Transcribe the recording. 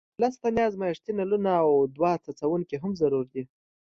لس دانې ازمیښتي نلونه او دوه څڅونکي هم ضروري دي.